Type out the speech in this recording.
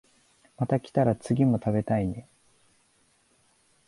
また来たら次も食べたいね